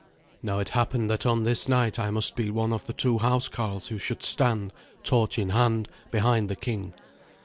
Now it happened that on this night I must be one of the two housecarls who should stand, torch in hand, behind the king.